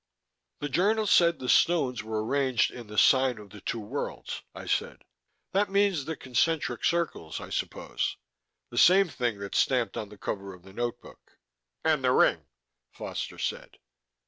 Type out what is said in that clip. "The journal said the stones were arranged in the sign of the Two Worlds," I said. "That means the concentric circles, I suppose; the same thing that's stamped on the cover of the notebook." "And the ring," Foster said.